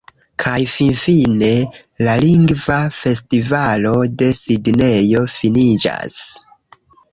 Kaj finfine, la Lingva Festivalo de Sidnejo finiĝas.